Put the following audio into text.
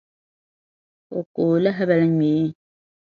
O kooi lahabali ŋmee.